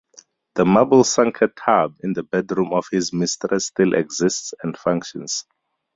The marble sunken tub in the bedroom of his mistress still exists and functions.